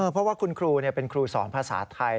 เพราะว่าคุณครูเป็นครูสอนภาษาไทย